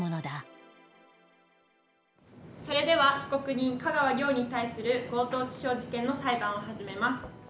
それでは被告人香川良に対する強盗致傷事件の裁判を始めます。